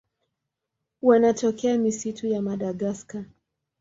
Wanatokea misitu ya Madagaska.